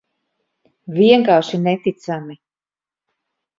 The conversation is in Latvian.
Vienkārši neticami.